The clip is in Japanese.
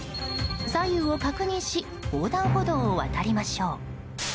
左右を確認し横断歩道を渡りましょう。